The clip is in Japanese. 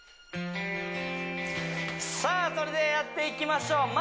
さあそれではやっていきましょう